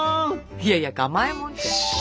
いやいやかまえもんって。